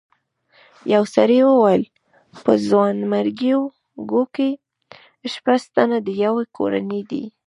یو سړي وویل په ځوانیمرګو کې شپږ تنه د یوې کورنۍ دي.